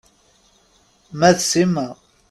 Ma d Sima.